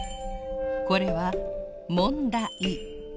これはもんだ「い」。